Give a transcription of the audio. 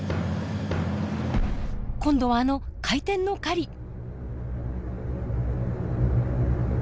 今度はあの「回転の狩り」！